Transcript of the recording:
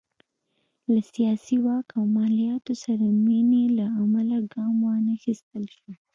له سیاسي واک او مالیاتو سره مینې له امله ګام وانخیستل شو.